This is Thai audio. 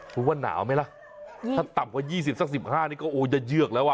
คุณว่าหนาวไหมล่ะถ้าต่ำกว่า๒๐สัก๑๕นี่ก็โอ้จะเยือกแล้วอ่ะ